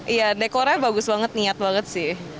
iya dekornya bagus banget niat banget sih